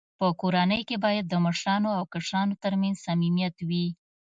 په کورنۍ کي باید د مشرانو او کشرانو ترمنځ صميميت وي.